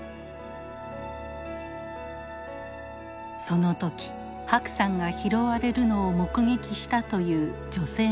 その時白さんが拾われるのを目撃したという女性の証言です。